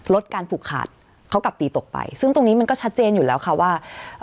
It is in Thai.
ลดการผูกขาดเขากลับตีตกไปซึ่งตรงนี้มันก็ชัดเจนอยู่แล้วค่ะว่า